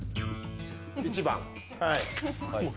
１番。